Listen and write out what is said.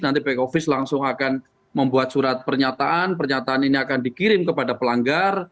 nanti back office langsung akan membuat surat pernyataan pernyataan ini akan dikirim kepada pelanggar